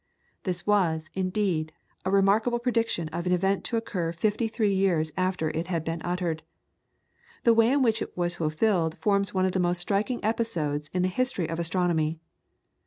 This was, indeed, a remarkable prediction of an event to occur fifty three years after it had been uttered. The way in which it was fulfilled forms one of the most striking episodes in the history of astronomy.